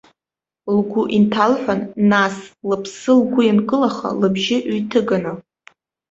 Лгәы инҭалҳәан, нас, лыԥсы лгәы ианкылаха, лыбжьы ҩҭыганы.